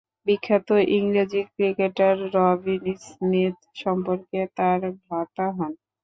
বিখ্যাত ইংরেজ cricketer Robin Smith সম্পর্কে তার ভ্রাতা হন।